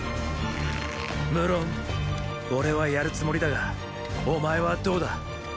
無論俺はやるつもりだがお前はどうだ。